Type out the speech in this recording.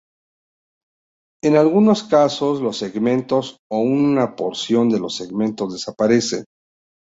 En algunos casos los segmentos o una porción de los segmentos desaparecen.